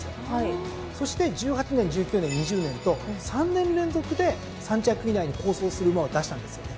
そして１８年１９年２０年と３年連続で３着以内に好走する馬を出したんですよね。